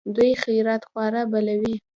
دوی خیرات خواره بلوي.